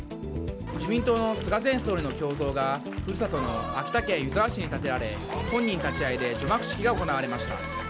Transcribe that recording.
自民党の菅前総理の胸像が故郷の秋田県湯沢市に建てられ本人立ち合いで除幕式が行われました。